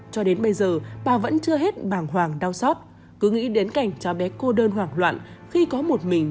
cho đến bây giờ bà vẫn chưa hết bàng hoàng đau xót cứ nghĩ đến cảnh cháu bé cô đơn hoảng loạn khi có một mình